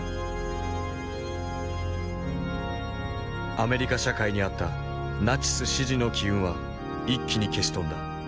アメリカ社会にあったナチス支持の気運は一気に消し飛んだ。